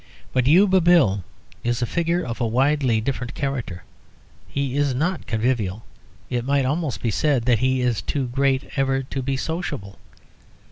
But Yuba Bill is a figure of a widely different character. He is not convivial; it might almost be said that he is too great ever to be sociable.